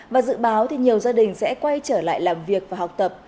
và dự báo nhiều gia đình sẽ quay trở lại làm việc và học tập